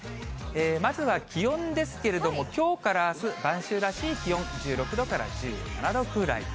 まずは気温ですけれども、きょうからあす、晩秋らしい気温、１６度から１７度くらい。